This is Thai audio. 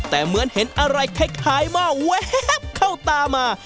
แต่เหมือนเห็นอะไรคล้ายหม้อแวบเข้าตามา